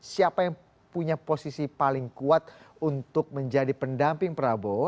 siapa yang punya posisi paling kuat untuk menjadi pendamping prabowo